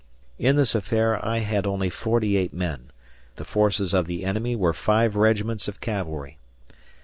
In this affair I had only 48 men the forces of the enemy were five regiments of cavalry.